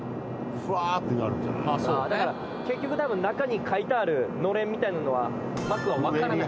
あぁだから結局たぶん中に書いてあるのれんみたいなのは幕は分からない。